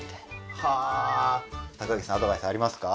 高岸さんアドバイスありますか？